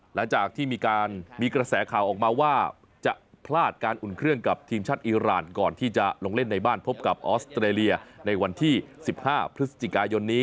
หลังจากที่มีการมีกระแสข่าวออกมาว่าจะพลาดการอุ่นเครื่องกับทีมชาติอีรานก่อนที่จะลงเล่นในบ้านพบกับออสเตรเลียในวันที่๑๕พฤศจิกายนนี้